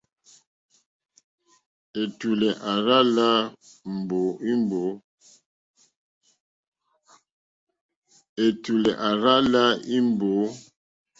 Ɛ̀tùlɛ̀ à rzá lā èmbǒ.